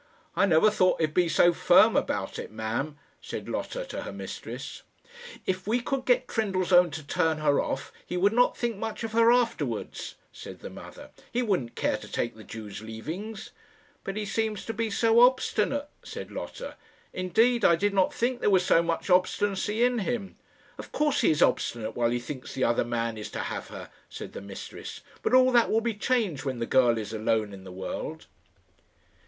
"I never thought he'd be so firm about it, ma'am," said Lotta to her mistress. "If we could get Trendellsohn to turn her off, he would not think much of her afterwards," said the mother. "He wouldn't care to take the Jew's leavings." "But he seems to be so obstinate," said Lotta. "Indeed I did not think there was so much obstinacy in him." "Of course he is obstinate while he thinks the other man is to have her," said the mistress; "but all that will be changed when the girl is alone in the world."